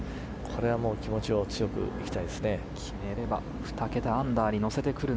これはもう気持ちを強くいきたいですね。